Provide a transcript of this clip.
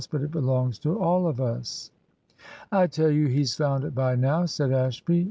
But it belongs to all of us." "I tell you he's found it by now," said Ashby.